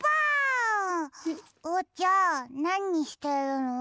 おうちゃんなにしてるの？